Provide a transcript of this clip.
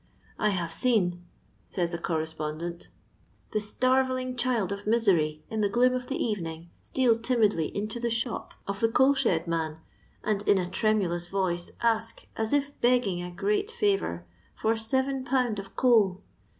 "I have seen,*' says a correspondent, « Uie starveling child of misery, in the gloom of the evenings stMl timidly into the shop of the eoal shed man, and in a tremnkNia voloe ask, at if besging a great fovour, for sss«ii pownd qf cotilt.